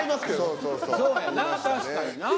そうやな確かにな。